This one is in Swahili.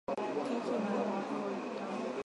Keki imeungua